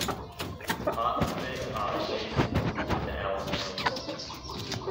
Parts of it are adjacent to the Elm hills.